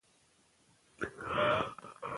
لوستې نجونې روڼتيا زياتوي.